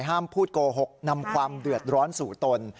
ห้ามพูดโกหกนำความเดือดร้อนสู่ตน